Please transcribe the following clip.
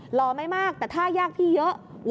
หล่อไม่มากแต่ถ้ายากพี่เยอะ